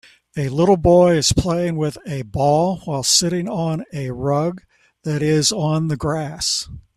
A little boy is playing with a ball while sitting on a rug that is on the grass